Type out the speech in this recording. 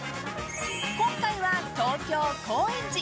今回は東京・高円寺。